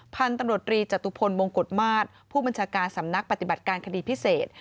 พันธุ์ตำรวจรีจตุพลบงกฎมาตรผู้บัญชาการสำนักปฏิบัติการคดีพิเศษ